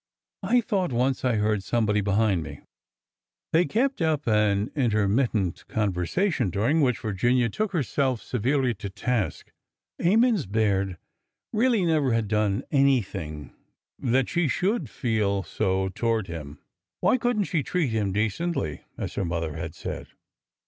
I thought once I heard somebody behind me." They kept up an intermittent conversation, during which Virginia took herself severely to task. Emmons Baird really had never done anything that she should feel A SPIRITED MAIDEN 8i SO toward him ! Why could n't she treat him decently, as her mother had said